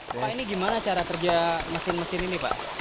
pak ini gimana cara kerja mesin mesin ini pak